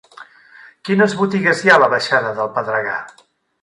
Quines botigues hi ha a la baixada del Pedregar?